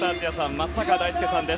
松坂大輔さんです。